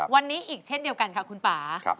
วันนี้อีกเช่นเดียวกันค่ะคุณป่า